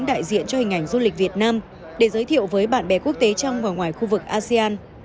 đại diện cho hình ảnh du lịch việt nam để giới thiệu với bạn bè quốc tế trong và ngoài khu vực asean